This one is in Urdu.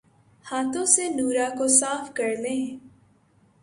ہاتھوں سے نورہ کو صاف کرلیں